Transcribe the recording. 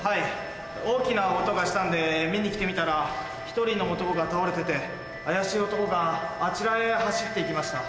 大きな音がしたんで見に来てみたら１人の男が倒れてて怪しい男があちらへ走って行きました。